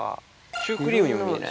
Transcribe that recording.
シュークリームにも見えない？